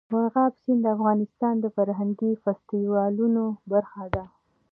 مورغاب سیند د افغانستان د فرهنګي فستیوالونو برخه ده.